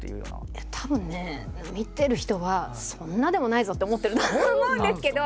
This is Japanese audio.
いやたぶんね見てる人はそんなでもないぞって思ってるんだと思うんですけど。